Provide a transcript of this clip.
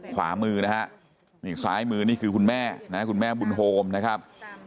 ขวามือนะฮะนี่ซ้ายมือนี่คือคุณแม่นะคุณแม่บุญโฮมนะครับ